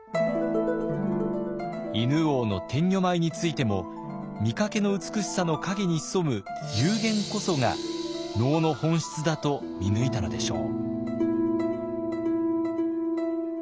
犬王の天女舞についても見かけの美しさの陰に潜む幽玄こそが能の本質だと見抜いたのでしょう。